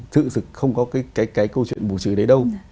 thực sự không có cái câu chuyện bù trừ đấy đâu